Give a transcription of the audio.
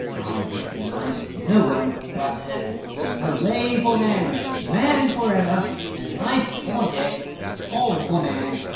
I recognise no one but him!... Hurrah for Man!... Man for ever!... In life or death, all for Man!...